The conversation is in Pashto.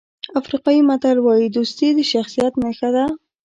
افریقایي متل وایي دوستي د شخصیت نښه ده.